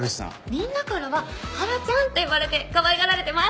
みんなからは「ハラちゃん」って呼ばれてかわいがられてます。